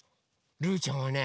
ルーちゃんはね